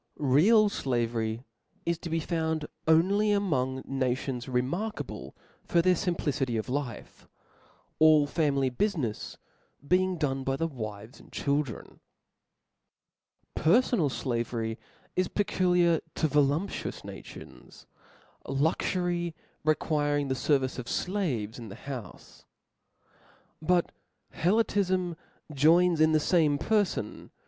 Real flavery is to be found only among nations * remarkable for their fimplicity of life ; all family bufmefs being done by the wives and children. Per fonal flavery is peculiar to voluptuous nations \ luxury requiring the fervice of flaves in the houfc. But Helotifm joins in the fame perfon.